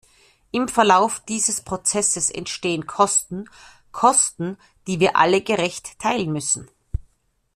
Im Verlauf dieses Prozesses entstehen Kosten, Kosten, die wir alle gerecht teilen müssen.